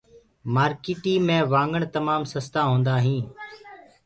مآرڪيٚٽي مي وآگڻ تمآم سستآ هوندآ هينٚ